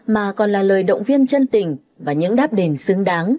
mà còn là lời động viên chân tình và những đáp đền xứng đáng